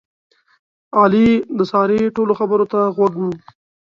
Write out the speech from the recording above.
علي د سارې ټولو خبرو ته غوږ و.